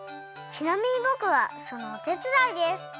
ちなみにぼくはそのおてつだいです。